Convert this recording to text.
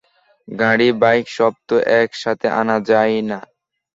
গাড়ি, বাইক সব তো একসাথে আনা যায় না!